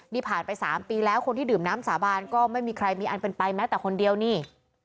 นี่ผ่านไป๓ปีแล้วคนที่ดื่มน้ำสาบานก็ไม่มีใครมีอันเป็นไปแม้แต่คนเดียวนี่